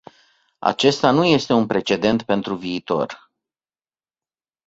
Acesta nu este un precedent pentru viitor.